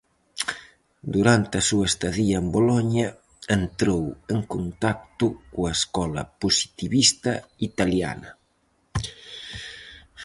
Durante a súa estadía en Boloña entrou en contacto coa escola positivista italiana.